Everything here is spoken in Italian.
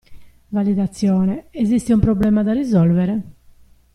Validazione: esiste un problema da risolvere?